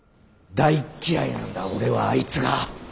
大っ嫌いなんだ俺はあいつが。